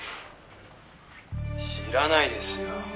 「知らないですよ」